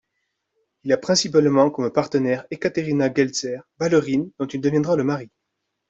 Il a principalement comme partenaire Ekaterina Gueltzer, ballerine dont il deviendra le mari.